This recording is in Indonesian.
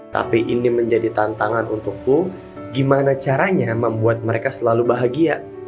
tapi ini menjadi tantangan untukku gimana caranya membuat mereka selalu bahagia